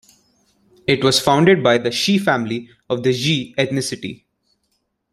It was founded by the Shi family of the Jie ethnicity.